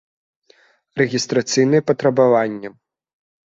Рэгiстрацыйныя патрабаваннi